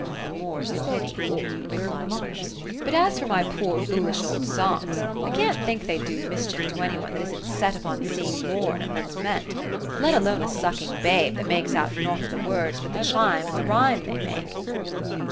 — the more's the pity ;" replied the nurse. " But a^ for my poor foolish old songs, I can't think they'd do mischief to any one that isn't set upon seeing more in' em than's meant — let alone a sucking babe, that makes out nought of the words but the chime and the rhyme they make."